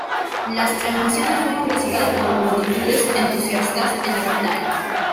Las transmisiones fueron recibidas por multitudes entusiastas en la capital.